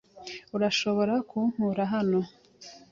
Urashobora kunkura hano?